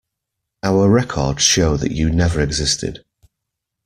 Our records show that you never existed.